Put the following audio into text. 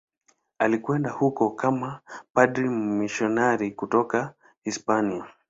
Alikwenda huko kama padri mmisionari kutoka Hispania.